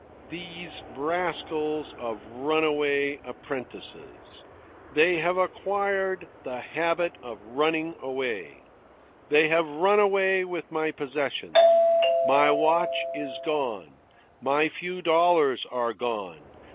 Those rascals of runaway apprentices! They have acquired the habit of running away. They have run away with my possessions. My watch is gone. My few dollars are gone.